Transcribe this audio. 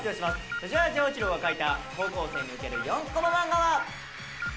藤原丈一郎が描いた高校生にウケる４コマ漫画は。